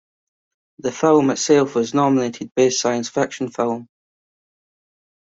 The film itself was nominated Best Science Fiction Film.